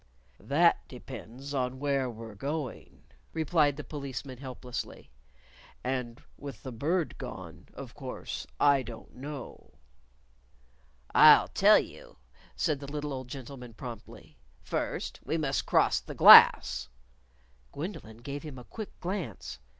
"That depends on where we're going," replied the Policeman, helplessly. "And with the Bird gone, of course I don't know." "I'll tell you," said the little old gentleman promptly. "First, we must cross the Glass " Gwendolyn gave him a quick glance.